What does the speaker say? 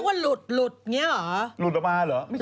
เขาเรียกว่าหลุดอย่างนี้เหรอ